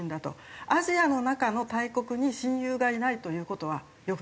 アジアの中の大国に親友がいないという事は良くないと。